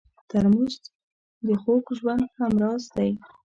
ترموز د خوږ ژوند همراز دی.